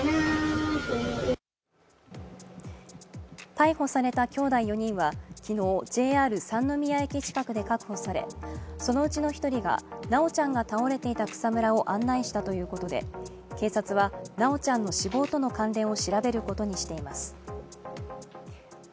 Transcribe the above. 逮捕されたきょうだい４人は昨日、ＪＲ三ノ宮駅近くで確保され、そのうちの１人が修ちゃんが倒れていた草むらを案内したということで警察は修ちゃんの死亡との関連を調べることにしています。